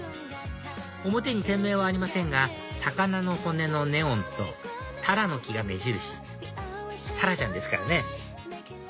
表に店名はありませんが魚の骨のネオンとタラノキが目印たらちゃんですからね